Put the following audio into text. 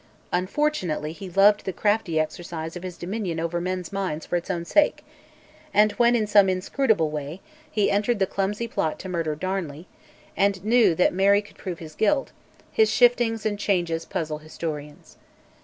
Unfortunately he loved the crafty exercise of his dominion over men's minds for its own sake, and when, in some inscrutable way, he entered the clumsy plot to murder Darnley, and knew that Mary could prove his guilt, his shiftings and changes puzzle historians.